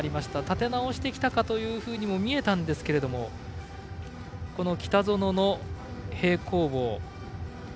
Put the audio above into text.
立て直してきたかというふうにも見えたんですけど北園の平行棒。